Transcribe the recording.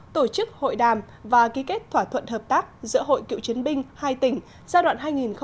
tổ chức hội đàm và ký kết thỏa thuận hợp tác giữa hội cựu chiến binh hai tỉnh giai đoạn hai nghìn một mươi năm hai nghìn hai mươi năm